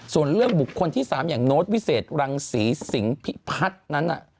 ส่วนเรื่องบุคคลที่๓อย่างโน้ตวิเศษรังศรีสิงหิพัฒน์นั้น